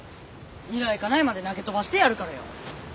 ニライカナイまで投げ飛ばしてやるからよ。